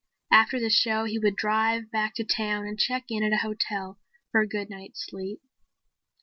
After the show he would drive back to town and check in at a hotel for a good night's sleep.